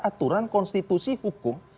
aturan konstitusi hukum